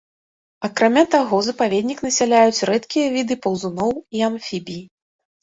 Акрамя таго запаведнік насяляюць рэдкія віды паўзуноў і амфібій.